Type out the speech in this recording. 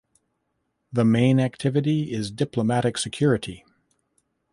The main activity is diplomatic security.